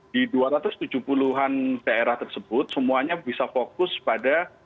di dua ratus tujuh puluh an daerah tersebut semuanya bisa fokus pada